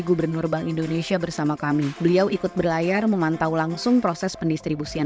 gubernur bank indonesia bersama kami beliau ikut berlayar memantau langsung proses pendistribusian